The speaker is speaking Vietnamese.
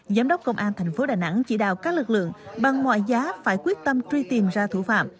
giám đốc công an tp đà nẵng chỉ đạo các lực lượng bằng mọi giá phải quyết tâm truy tìm ra thủ phạm